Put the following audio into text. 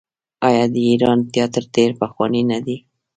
آیا د ایران تیاتر ډیر پخوانی نه دی؟